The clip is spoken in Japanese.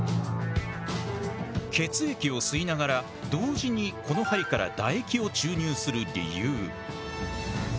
血液を吸いながら同時にこの針から唾液を注入する理由。